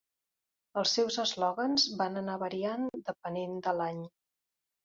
Els seus eslògans van anar variant depenent de l'any.